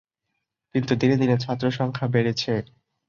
কিন্তু দিনে দিনে ছাত্র সংখ্যা বেড়েছে।